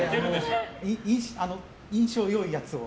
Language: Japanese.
印象が良いやつを。